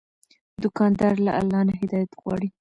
دوکاندار له الله نه هدایت غواړي.